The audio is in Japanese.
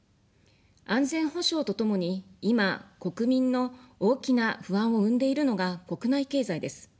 安全保障とともに、今、国民の大きな不安を生んでいるのが国内経済です。